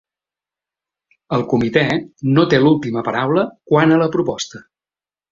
El comitè no té l'última paraula quant a la proposta.